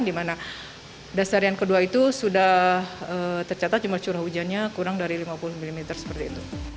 di mana dasarian kedua itu sudah tercatat jumlah curah hujannya kurang dari lima puluh mm seperti itu